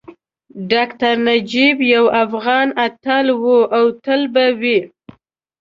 ډاکټر نجیب یو افغان اتل وو او تل به وي